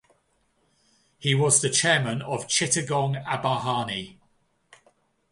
He was the Chairman of Chittagong Abahani.